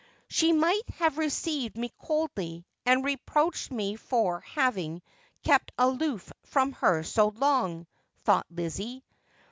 ' She might have received me coldly, and reproached me for having kept aloof from her so long,' thought Lizzie.